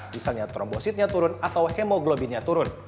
misalnya trombositnya turun atau hemoglobinnya turun